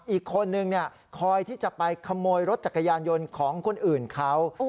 อีกคนนึงคอยที่จะไปขโมยรถจักรยานยนต์ของคนอื่นเขา